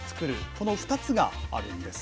この２つがあるんです。